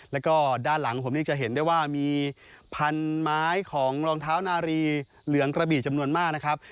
แล้วก็ด้านหลังผมนี่จะเห็นได้ว่ามีพันไม้ของรองเท้านารีเหลืองกระบี่จำนวนมากนะครับ